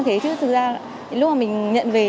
thế chứ thực ra lúc mà mình nhận về